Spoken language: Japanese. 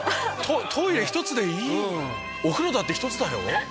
トイレ１つでいいお風呂だって１つだよ。